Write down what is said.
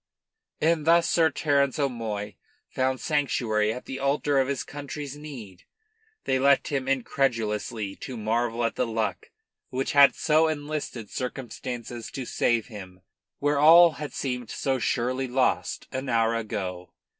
And thus Sir Terence O'Moy found sanctuary at the altar of his country's need. They left him incredulously to marvel at the luck which had so enlisted circumstances to save him where all had seemed so surely lost an hour ago.